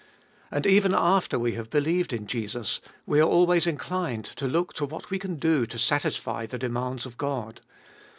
And even after we have believed in Jesus, we are always inclined to look to what we can do to satisfy the demands of God.